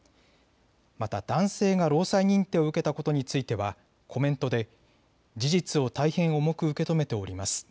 また男性が労災認定を受けたことについてはコメントで事実を大変重く受け止めております。